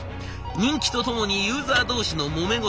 人気とともにユーザー同士のもめ事も頻発。